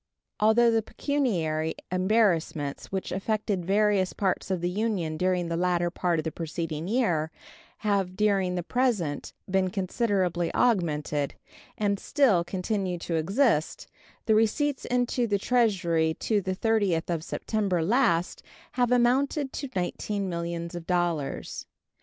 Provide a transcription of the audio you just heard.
Although the pecuniary embarrassments which affected various parts of the Union during the latter part of the preceding year have during the present been considerably augmented, and still continue to exist, the receipts into the Treasury to the 30th of September last have amounted to $19 millions.